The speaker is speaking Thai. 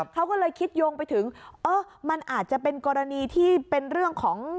เขาก็เลยคิดโยงไปถึงเออมันอาจจะเป็นกรณีที่เป็นเรื่องของ